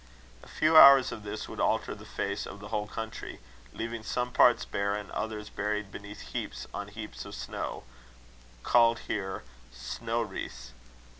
A few hours of this would alter the face of the whole country, leaving some parts bare, and others buried beneath heaps on heaps of snow, called here snaw wreaths.